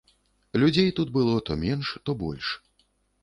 Людзей тут было то менш, то больш.